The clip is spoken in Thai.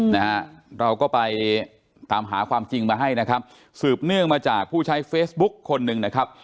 นะฮะเราก็ไปตามหาความจริงมาให้นะครับสืบเนื่องมาจากผู้ใช้เฟซบุ๊กคนหนึ่งนะครับ